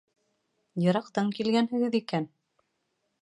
Йыраҡтан килгәнһегеҙ икән.